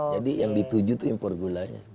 jadi yang dituju itu impor gulanya